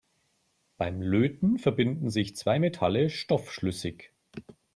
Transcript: Beim Löten verbinden sich zwei Metalle stoffschlüssig.